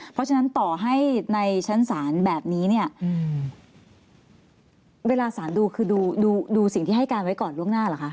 เพราะฉะนั้นต่อให้ในชั้นศาลแบบนี้เนี่ยเวลาสารดูคือดูสิ่งที่ให้การไว้ก่อนล่วงหน้าเหรอคะ